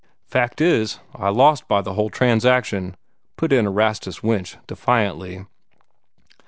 "Fact is, I lost by the whole transaction," put in Erastus Winch, defiantly.